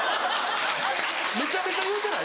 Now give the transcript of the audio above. めちゃめちゃ言うてない？